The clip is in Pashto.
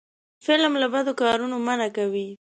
فلم له بدو کارونو منع کوي